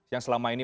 yang selama ini